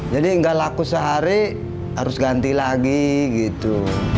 jadi nggak laku sehari harus ganti lagi gitu